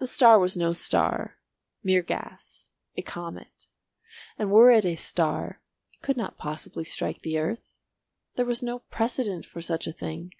The star was no star—mere gas—a comet; and were it a star it could not possibly strike the earth. There was no precedent for such a thing.